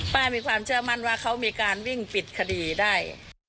มีความเชื่อมั่นว่าเขามีการวิ่งปิดคดีได้